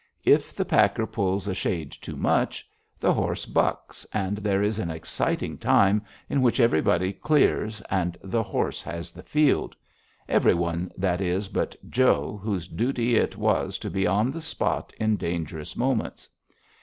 If the packer pulls a shade too much, the horse bucks, and there is an exciting time in which everybody clears and the horse has the field every one, that is, but Joe, whose duty it was to be on the spot in dangerous moments.